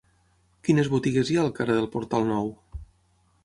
Quines botigues hi ha al carrer del Portal Nou?